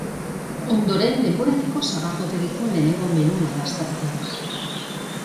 Ondoren, denboraldiko sagardotegiko lehenengo menua dastatuko da.